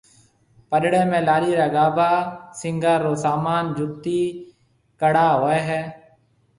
پڏڙيَ ۾ لاڏِي را گھاڀا، سينگھار رو سامان، جُتي، ڪڙا ھوئيَ ھيََََ